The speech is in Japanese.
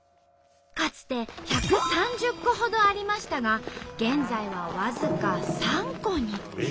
かつて１３０戸ほどありましたが現在は僅か３戸に。